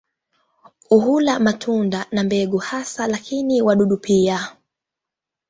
Hula matunda na mbegu hasa, lakini wadudu pia.